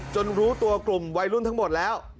รู้ตัวกลุ่มวัยรุ่นทั้งหมดแล้ว